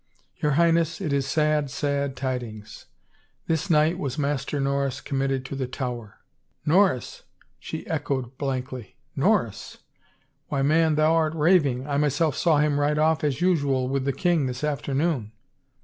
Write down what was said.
Your Highness, it is sad, sad tidings. This night was Master Norris committed to the Tower." "Norris?" she echoed blankly. "Norris? ... Why, man, thou art raving. I myself saw him ride off as usual with the king this afternoon."